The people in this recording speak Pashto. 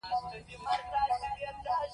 د احمد په کار کې د ګوتې اېښولو ځای نه شته.